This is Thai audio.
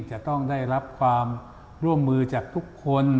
จะต้องได้รับความร่วมมือจากทุกคน